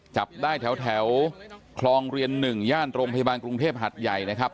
จับได้แถวคลองเรียน๑ย่านโรงพยาบาลกรุงเทพหัดใหญ่นะครับ